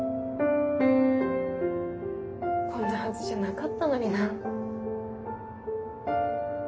こんなはずじゃなかったのにな。